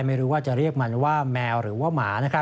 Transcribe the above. ไม่รู้ว่าจะเรียกมันว่าแมวหรือว่าหมา